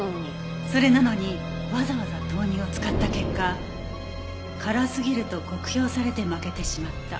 それなのにわざわざ豆乳を使った結果辛すぎると酷評されて負けてしまった。